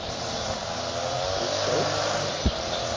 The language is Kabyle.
Tuyseḍ.